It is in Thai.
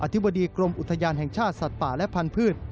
ธิบดีกรมอุทยานแห่งชาติสัตว์ป่าและพันธุ์